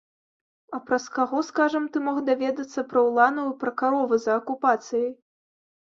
А праз каго, скажам, ты мог даведацца пра уланаў і пра каровы за акупацыяй?